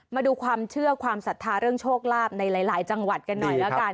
มาดูความเชื่อความศรัทธาเรื่องโชคลาภในหลายจังหวัดกันหน่อยแล้วกัน